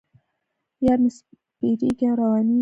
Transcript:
یار مې سپریږي او روانېږي.